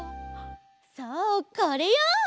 そうこれよ！